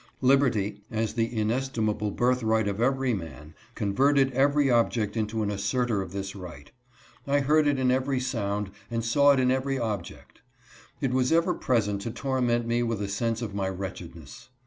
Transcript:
Liberty, as the inestimable 5 106 REFLECTIONS ON SLAVERY. birthright of every man, converted every object into an asserter of this right. I heard it in every sound, and saw it in every object. It was ever present to torment me with a sense of my wretchedness.